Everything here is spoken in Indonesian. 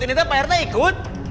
ini kan pak yarta ikut